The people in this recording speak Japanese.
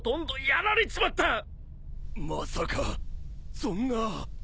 まさかそんな。